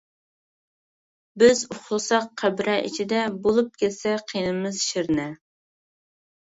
بىز ئۇخلىساق قەبرە ئىچىدە، بولۇپ كەتسە قېنىمىز شىرنە.